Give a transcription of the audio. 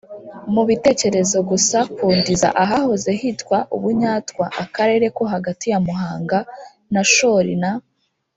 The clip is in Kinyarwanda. mubitecyerezo gusa, ku ndiza ahahoze hitwa ubunyatwa: akarere ko hagati ya muhanga na shori na